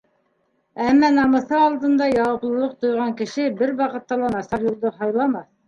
Әммә намыҫы алдында яуаплылыҡ тойған кеше бер ваҡытта ла насар юлды һайламаҫ.